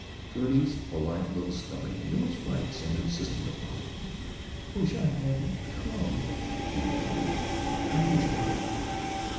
Gertie's polite little stomach knew its rights and insisted upon them. "I wish I hadn't come!" she lamented. "I wish I hadn't.